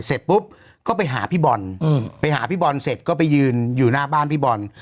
เสร็จปุ๊บก็ไปหาพี่บอลไปหาพี่บอลเสร็จก็ไปยืนอยู่หน้าบ้านพี่บอล